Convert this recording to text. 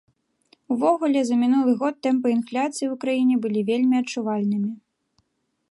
Увогуле, за мінулы год тэмпы інфляцыі ў краіне былі вельмі адчувальнымі.